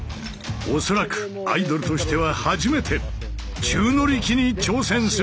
恐らくアイドルとしては初めて宙乗り機に挑戦する！